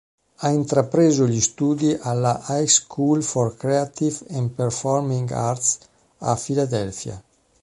Ha intrapreso gli studi alla High School for Creative and Performing Arts a Filadelfia.